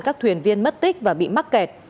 các thuyền viên mất tích và bị mắc kẹt